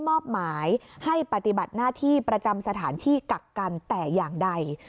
มอบหมายให้ปฏิบัติหน้าที่ประจำสถานที่กักกันแต่อย่างใด